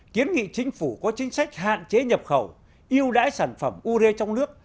kiến nghị chính phủ có chính sách hạn chế nhập khẩu yêu đãi sản phẩm ure trong nước